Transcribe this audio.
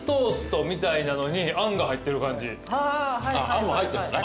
あんは入ってるのね。